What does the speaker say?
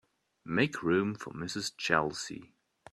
Make room for Mrs. Chelsea.